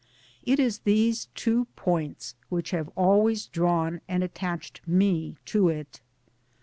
It is these two points which have always drawn and attached me to it.